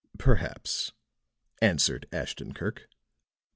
"Perhaps," answered Ashton Kirk.